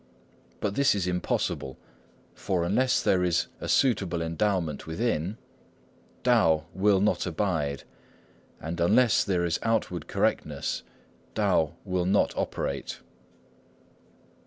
But this is impossible. For unless there is a suitable endowment within, Tao will not abide; and unless there is outward correctness, Tao will not operate."